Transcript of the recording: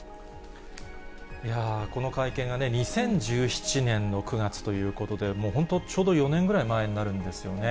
いやー、この会見は２０１７年の９月ということで、もう本当、ちょうど４年ぐらい前になるんですよね。